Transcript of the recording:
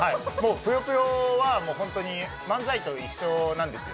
ぷよぷよは本当に漫才と一緒なんですよ。